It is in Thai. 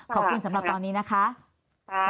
ขอบคุณสำหรับตอนนี้นะคะ